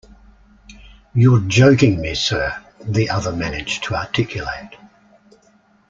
You're joking me, sir, the other managed to articulate.